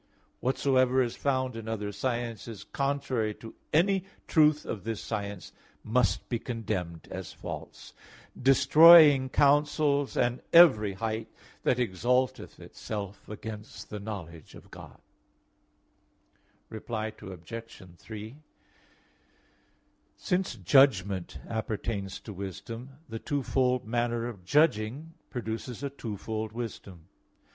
Whatsoever is found in other sciences contrary to any truth of this science must be condemned as false: "Destroying counsels and every height that exalteth itself against the knowledge of God" (2 Cor. 10:4, 5). Reply Obj. 3: Since judgment appertains to wisdom, the twofold manner of judging produces a twofold wisdom.